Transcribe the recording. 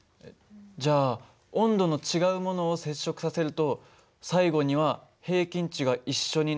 じゃあ温度の違うものを接触させると最後には平均値が一緒になって。